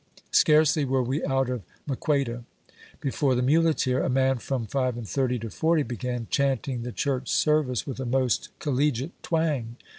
Scarcely were we out of Maqueda before the muleteer, a man from five and thirty to forty, began chanting the church service with a most collegiate twang.